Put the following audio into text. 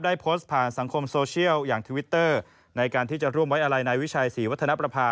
ได้โพสต์ผ่านสังคมโซเชียลอย่างทวิตเตอร์ในการที่จะร่วมไว้อะไรนายวิชัยศรีวัฒนประภา